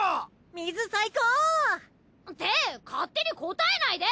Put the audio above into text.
水最高！って勝手に答えないで！